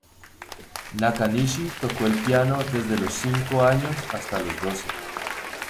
Nakanishi tocó el piano desde los cinco años hasta los doce.